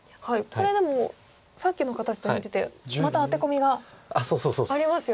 これでもさっきの形と似ててまたアテコミがありますよね。